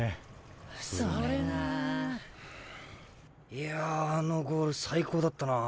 いやあのゴール最高だったなぁ。